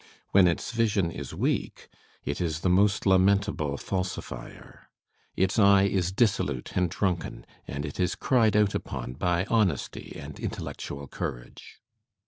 When its vision is weak, it is the most lamentable falsifier; its eye is dissolute and drunken, and it is cried out upon by honesty and intellectual courage.